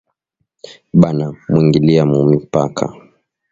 Banamwingilia mu mipaka